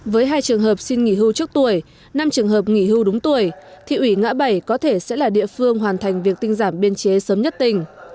với hai trường hợp xin nghỉ hưu trước tuổi năm trường hợp nghỉ hưu đúng tuổi thị ủy ngã bảy có thể sẽ là địa phương hoàn thành việc tinh giảm biên chế sớm nhất tỉnh